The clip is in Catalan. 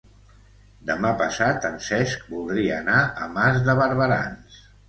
Demà passat en Cesc voldria anar a Mas de Barberans.